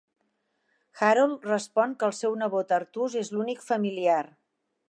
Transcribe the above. Harold respon que el seu nebot Artús és l'únic familiar.